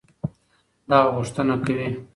دغه غوښتنه كوي